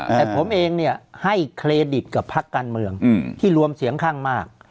แต่ผมเองเนี่ยให้เครดิตกับพักการเมืองที่รวมเสียงข้างมาก